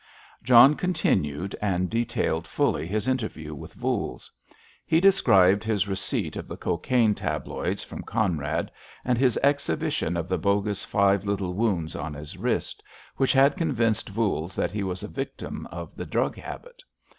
John continued and detailed fully his interview with Voules. He described his receipt of the cocaine tabloids from Conrad and his exhibition of the bogus five little wounds on his wrist, which had convinced Voules that he was a victim of the drug habit.